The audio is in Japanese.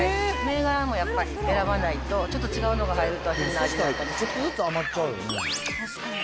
銘柄もやっぱり選ばないと、ちょっと違うのが入ると変な味になったり。